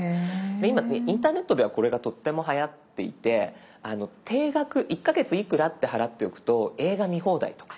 今インターネットではこれがとってもはやっていて定額１か月いくらって払っておくと映画見放題とか。